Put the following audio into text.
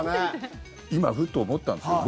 今、ふと思ったんですけど